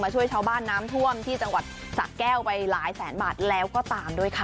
ช่วยชาวบ้านน้ำท่วมที่จังหวัดสะแก้วไปหลายแสนบาทแล้วก็ตามด้วยค่ะ